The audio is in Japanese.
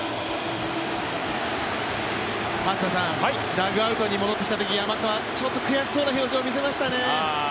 ダグアウトに戻ってきたとき、山川、ちょっと悔しそうな表情を見せましたね。